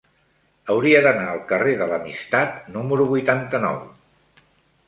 Hauria d'anar al carrer de l'Amistat número vuitanta-nou.